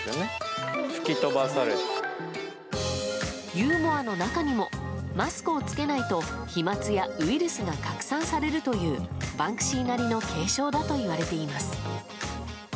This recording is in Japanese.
ユーモアの中にもマスクを着けないと飛沫やウイルスが拡散されるというバンクシーなりの警鐘だといわれています。